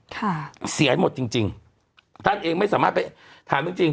ค่ะเสียหมดจริงจริงท่านเองไม่สามารถไปถามจริงจริง